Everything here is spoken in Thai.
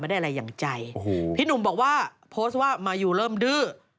พี่หนุ่มบอกว่ามาอยู่เริ่มดื่อ